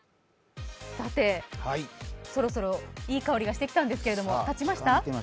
さて、そろそろいい香りがしてきたんですけど、たちました？